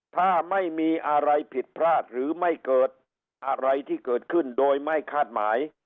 ถ้าไม่มีอะไรผิดพลาดหรือไม่เกิดอะไรที่เกิดขึ้นโดยไม่คาดหมาย